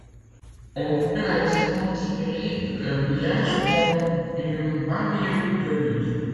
On peut ainsi considérer le village comme une banlieue de Lure.